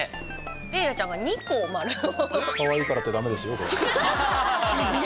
レイラちゃんが２個丸を。